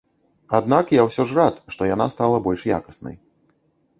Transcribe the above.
Аднак я ўсё ж рад, што яна стала больш якаснай.